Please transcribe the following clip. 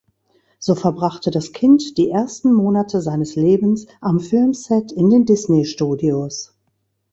So verbrachte das Kind die ersten Monate seines Lebens am Filmset in den Disney-Studios.